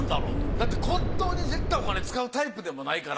だって骨董に絶対お金使うタイプでもないから。